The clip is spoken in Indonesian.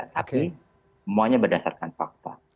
tapi semuanya berdasarkan fakta